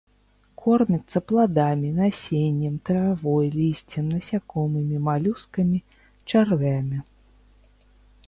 Кормяцца пладамі, насеннем, травой, лісцем, насякомымі, малюскамі, чарвямі.